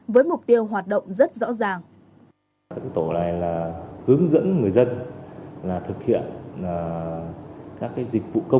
với mục tiêu hoạt động rất rõ ràng